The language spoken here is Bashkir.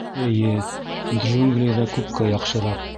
Эйе, джунглиҙа күпкә яҡшыраҡ.